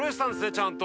ちゃんと。